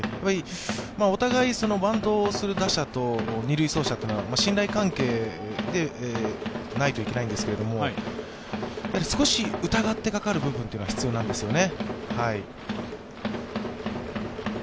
お互い、バントをする打者と二塁走者というのは信頼関係でないといけないんですけど少し疑ってかかる部分は必要なんですね。